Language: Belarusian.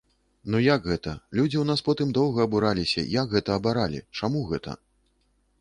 Ну як гэта, людзі ў нас потым доўга абураліся, як гэта абаралі, чаму гэта?